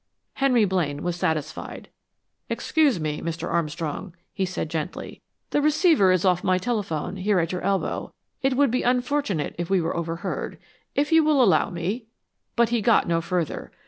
Henry Blaine was satisfied. "Excuse me, Mr. Armstrong," he said gently. "The receiver is off my telephone, here at your elbow. It would be unfortunate if we were overheard. If you will allow me " But he got no further.